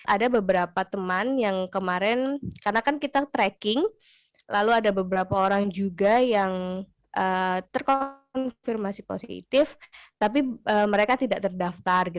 ada beberapa teman yang kemarin karena kan kita tracking lalu ada beberapa orang juga yang terkonfirmasi positif tapi mereka tidak terdaftar